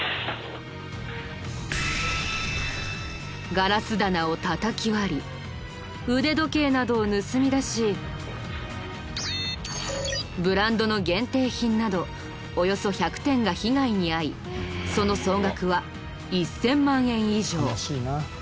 ガラス棚をたたき割りブランドの限定品などおよそ１００点が被害に遭いその総額は１０００万円以上。